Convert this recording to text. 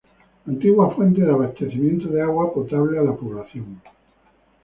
Antiguas fuentes de abastecimiento de agua potable a la población.